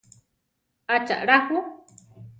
¿Acha alá ju?